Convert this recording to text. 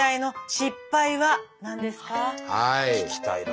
聞きたいなあ。